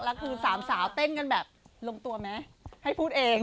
แล้วคือสามสาวเต้นกันแบบลงตัวไหมให้พูดเอง